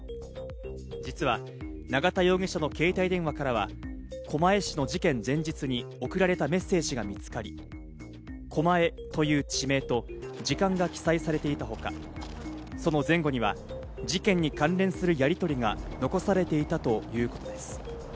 実は永田容疑者の携帯電話からは狛江市の事件前日に送られたメッセージが見つかり、「狛江」という地名と、時間が記載されていたほか、その前後には事件に関するやりとりが残されていたということです。